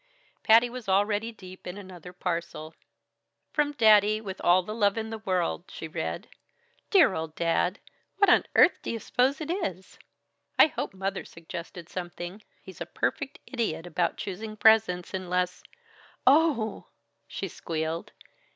Patty was already deep in another parcel. "From Daddy, with all the love in the world," she read. "Dear old Dad! What on earth do you s'pose it is? I hope Mother suggested something. He's a perfect idiot about choosing presents, unless Oh!" she squealed.